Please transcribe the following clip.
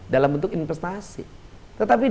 dalam bentuk investasi tetapi